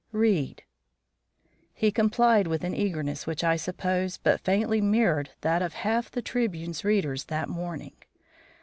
"Read!" He complied with an eagerness which I suppose but faintly mirrored that of half the Tribune's readers that morning.